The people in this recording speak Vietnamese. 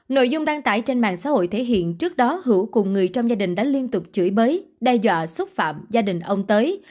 nội dung đăng tải trên mạng xã hội thể hiện trước đó hữu cùng người trong gia đình đã liên tục chửi bới đe dọa xúc phạm gia đình ông tới